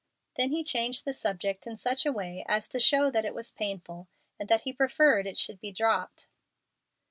Then he changed the subject in such a way as to show that it was painful, and that he preferred it should be dropped.